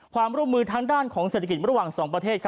ความร่วมมือทางด้านของเศรษฐกิจระหว่าง๒ประเทศ